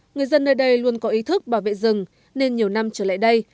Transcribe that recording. người dân nơi đây luôn có ý thức bảo vệ rừng nên nhiều năm trở lại đây